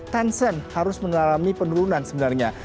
tencent harus mengalami penurunan sebenarnya